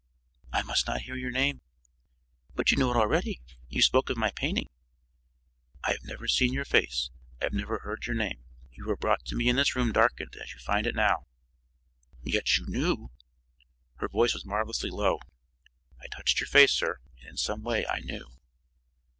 "I must not hear your name." "But you know it already. You spoke of my painting." "I have never seen your face; I have never heard your name; you were brought to me in this room darkened as you find it now." "Yet you knew " Her voice was marvelously low: "I touched your face, sir, and in some way I knew."